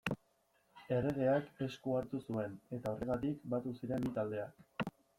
Erregeak esku hartu zuen, eta horregatik batu ziren bi taldeak.